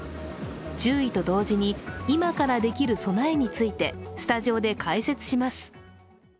注意と同時に今からできる備えについてスタジオで解説します。